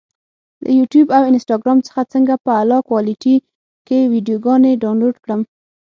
له یوټیوب او انسټاګرام څخه څنګه په اعلی کوالټي کې ویډیوګانې ډاونلوډ کړم؟